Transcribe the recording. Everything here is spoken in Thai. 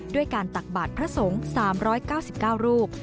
ด้วยการตักบาทพระสงฆ์๓๙๙รูป